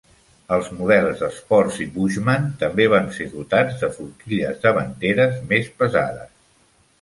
Els models Sports i Bushman també van ser dotats de forquilles davanteres més pesades.